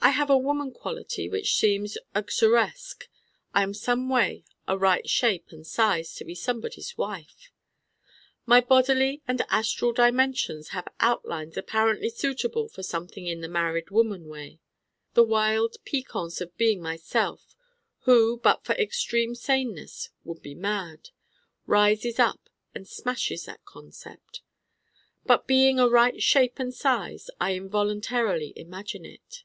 I have a woman quality which seems uxoresque: I am someway a Right Shape and Size to be somebody's wife. My bodily and astral dimensions have outlines apparently suitable for something in the married woman way. The wild piquance of being myself who but for extreme saneness would be mad rises up and smashes that concept. But being a Right Shape and Size I involuntarily imagine it.